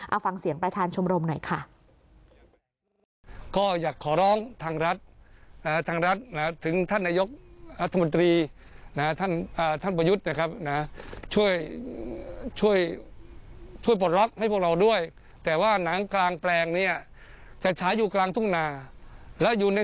เอาฟังเสียงประธานชมรมหน่อยค่ะ